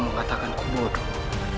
kau mengatakan ku bodoh